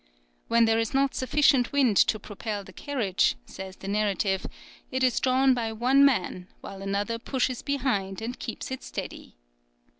When there is not sufficient wind to propel the carriage, says the narrative, it is drawn by one man, while another pushes behind and keeps it steady.